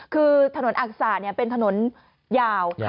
คือถนนอักษะเป็นถนนยาว